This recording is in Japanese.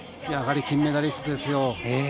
やはり金メダリストですよ。